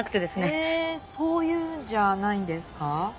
へえそういうんじゃないんですか？